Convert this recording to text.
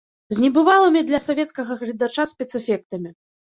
З небывалымі для савецкага гледача спецэфектамі.